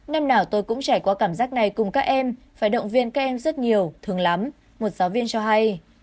năm nào tôi cũng trải qua cảm giác này cùng các em phải động viên các em rất nhiều thường lắm một giáo viên cho hay